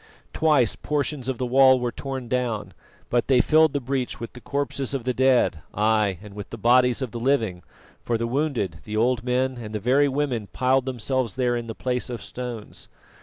Twice portions of the wall were torn down, but they filled the breach with the corpses of the dead, ay! and with the bodies of the living, for the wounded, the old men and the very women piled themselves there in the place of stones.